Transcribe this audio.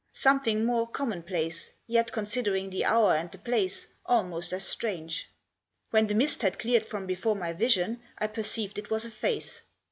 Something more commonplace ; yet, considering the hour and the place, almost as strange. When the mist had cleared from before my vision, I perceived it was a face.